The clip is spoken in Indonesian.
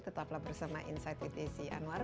tetaplah bersama insight itc anwar